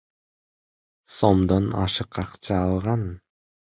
сомдон ашык акча алган.